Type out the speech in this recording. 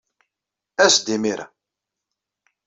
As-d imir-a.